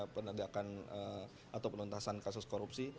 penegakan atau penuntasan kasus korupsi